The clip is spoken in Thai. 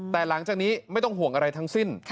แต่หลังจากนี้ไม่ต้องห่วงอะไรทั้งสิ้น